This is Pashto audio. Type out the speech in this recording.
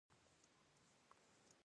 نا امېد مه کېږه.